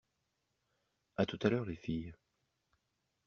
À tout à l’heure, les filles...